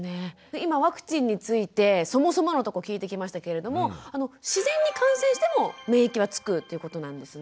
今ワクチンについてそもそものとこ聞いてきましたけれども自然に感染しても免疫はつくっていうことなんですね？